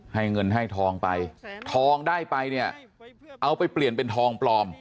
ให้เงินให้ทองไปทองได้ไปเนี่ยเอาไปเปลี่ยนเป็นทองปลอม